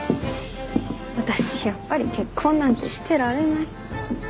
私やっぱり結婚なんてしてられない。